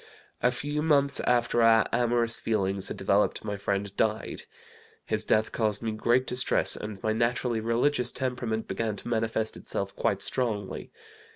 A few months after our amorous feelings had developed my friend died. His death caused me great distress, and my naturally religious temperament began to manifest itself quite strongly.